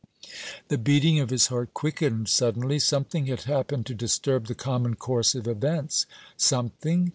The beating of his heart quickened suddenly. Something had happened to disturb the common course of events. Something?